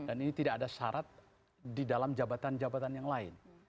dan ini tidak ada syarat di dalam jabatan jabatan yang lain